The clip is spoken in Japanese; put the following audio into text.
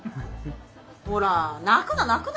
ほら泣くな泣くな。